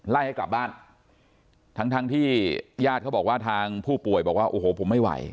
ไล่ให้กลับบ้านทั้งทั้งที่ญาติเขาบอกว่าทางผู้ป่วยบอกว่าโอ้โหผมไม่ไหว